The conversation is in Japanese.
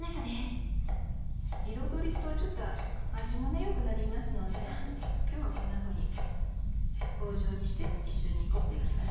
彩りとちょっと味も良くなりますので今日はこんなふうに棒状にして一緒に煮込んでいきます。